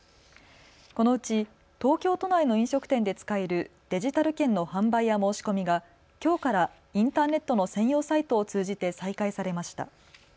このうち東京都内の飲食店で使えるデジタル券の販売や申し込みがきょうからインターネットの専用サイトを通じて再開されました。